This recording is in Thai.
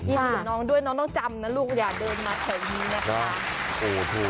อย่าหล่มน้องด้วยน้องต้องจำนะลูกอย่าเดินมาเพราะมีนะคะ